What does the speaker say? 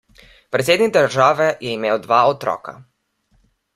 Predsednik države je imel dva otroka.